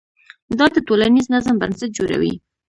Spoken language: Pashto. دا د ټولنیز نظم بنسټ جوړوي.